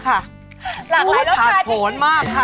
หลากหลายรสชาติหลากหลายรสชาติโถนมากค่ะ